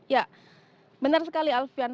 ya benar sekali alfian